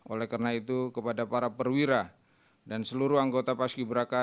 oleh karena itu kepada para perwira dan seluruh anggota pak ski braka